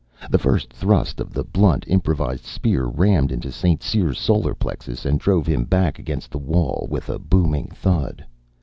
The first thrust of the blunt, improvised spear rammed into St. Cyr's solar plexus and drove him back against the wall with a booming thud.